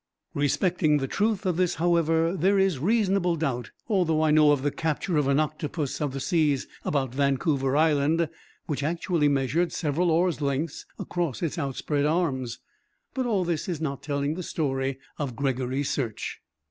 Respecting the truth of this, however, there is reasonable doubt, although I know of the capture of an octopus of the seas about Vancouver Island, which actually measured several oars' lengths across its outspread arms. But all this is not telling the story of Gregory's search.